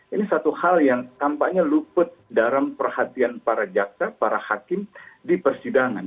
ini satu hal yang tampaknya luput dalam perhatian para jaksa para hakim di persidangan